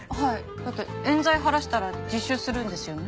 だって冤罪晴らしたら自首するんですよね？